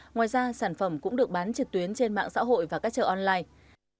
ngoài ra sản phẩm cũng được bán trực tuyến trên mạng xã hội và các chợ online